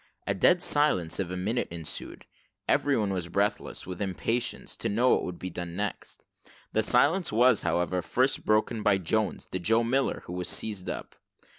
A dead silence of a minute ensued. Everyone was breathless, with impatience, to know what would be done next. The silence was, however, first broken by Jones, the Joe Miller, who was seized up.